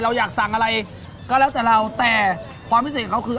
เราอยากสั่งอะไรก็แล้วแต่เราแต่ความพิเศษของเขาคือ